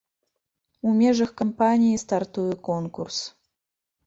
У межах кампаніі стартуе конкурс.